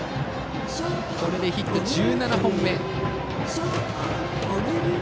これでヒットは１７本目。